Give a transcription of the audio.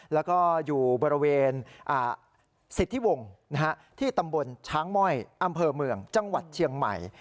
แล้วก็อยู่บริเวณสิทธิวงศ์ที่ตำบลช้างม่อยอำเภอเมืองจังหวัดเชียงใหม่